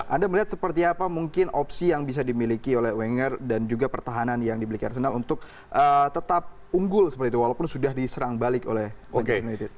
anda melihat seperti apa mungkin opsi yang bisa dimiliki oleh wenger dan juga pertahanan yang dibeli arsenal untuk tetap unggul seperti itu walaupun sudah diserang balik oleh manchester united